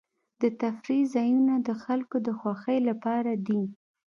د تفریح ځایونه د خلکو د خوښۍ لپاره دي.